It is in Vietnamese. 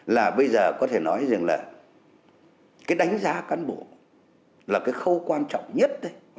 là bây giờ có thể nói riêng là cái đánh giá cán bộ là cái khâu quan trọng nhất